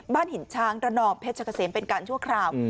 หินช้างระนองเพชรเกษมเป็นการชั่วคราว